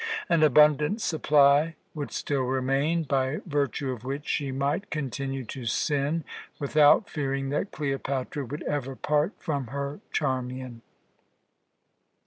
An abundant supply would still remain, by virtue of which she might continue to sin without fearing that Cleopatra would ever part from her Charmian.